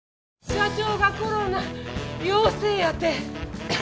社長がコロナ陽性やて。